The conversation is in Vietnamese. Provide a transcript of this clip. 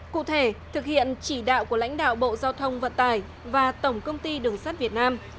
cụ thể thực hiện chỉ đạo của lãnh đạo bộ giao thông vận tải và tổng công ty đường sắt việt nam